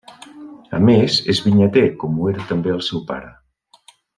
A més, és vinyater, com ho era també el seu pare.